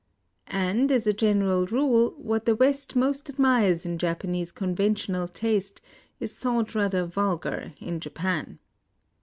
And, as a general rule, what the West most admires in Japanese conventional taste is thought rather vulgar in Japan.